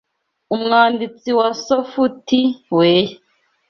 Umwanditsi wa sofuti weya